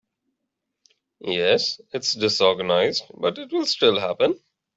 Yes, it’s disorganized but it will still happen.